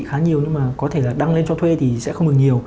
nó có khá nhiều nhưng mà có thể là đăng lên cho thuê thì sẽ không được nhiều